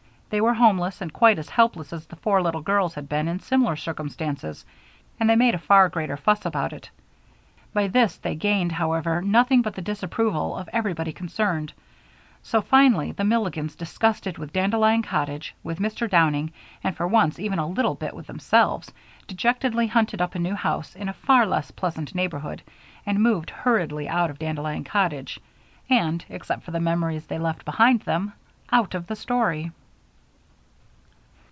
They were homeless and quite as helpless as the four little girls had been in similar circumstances; and they made a far greater fuss about it. By this they gained, however, nothing but the disapproval of everybody concerned; so, finally, the Milligans, disgusted with Dandelion Cottage, with Mr. Downing, and for once even a little bit with themselves, dejectedly hunted up a new home in a far less pleasant neighborhood, and moved hurriedly out of Dandelion Cottage and, except for the memories they left behind them, out of the story.